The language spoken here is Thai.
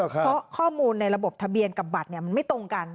เพราะข้อมูลในระบบทะเบียนกับบัตรมันไม่ตรงกัน